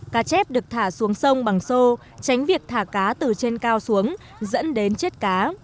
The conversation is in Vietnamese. cá chép được thả xuống sông bằng xô tránh việc thả cá từ trên cao xuống dẫn đến chết cá